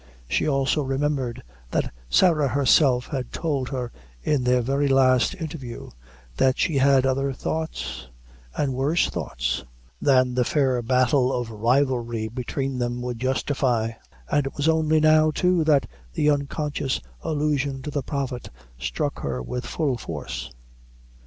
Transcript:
She also remembered that Sarah herself had told her in their very last interview, that she had other thoughts, and worse thoughts than the fair battle of rivalry between them would justify; and it was only now, too, that the unconscious allusion to the Prophet struck her with full force.